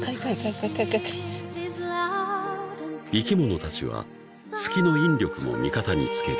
［生き物たちは月の引力も味方につける］